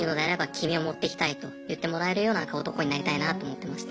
君を持っていきたいと言ってもらえるような男になりたいなと思ってました。